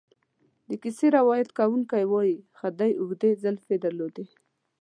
د کیسې روایت کوونکی وایي خدۍ اوږدې زلفې درلودې.